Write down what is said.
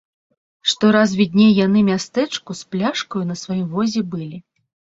Што раз відней яны мястэчку з пляшкаю на сваім возе былі.